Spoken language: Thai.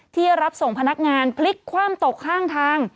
ที่รับส่งพนักงานพลิกคว่ำตกข้างทาง